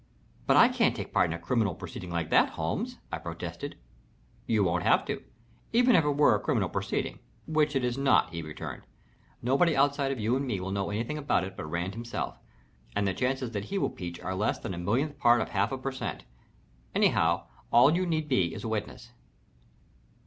"But I can't take part in a criminal proceeding like that, Holmes," I protested. "You won't have to even if it were a criminal proceeding, which it is not," he returned. "Nobody outside of you and me will know anything about it but Rand himself, and the chances that he will peach are less than a millionth part of a half per cent. Anyhow, all you need be is a witness."